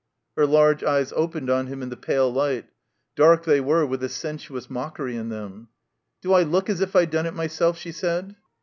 Her large eyes opened on him in the pale Ught; dark they were with a sensuous mockery in them. '*Do I look as if I'd done it myself?" she said.